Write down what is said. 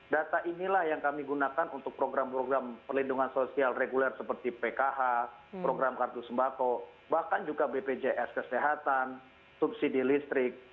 data inilah yang kami gunakan untuk program program perlindungan sosial reguler seperti pkh program kartu sembako bahkan juga bpjs kesehatan subsidi listrik